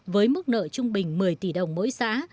với mức nợ trung bình một mươi tỷ đồng mỗi xã